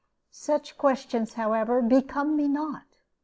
Such questions, however, become me not.